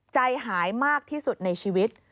ใจหายมากที่สุดในชีวิต